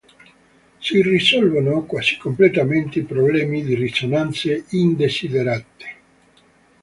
Si risolvono quasi completamente i problemi di risonanze indesiderate.